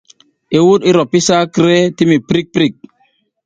I wuɗ i ra pi sakre tim prik prik.